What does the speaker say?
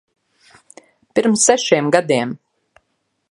Pirms sešiem gadiem.